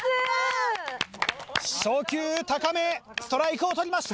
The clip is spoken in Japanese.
初球高めストライクを取りました！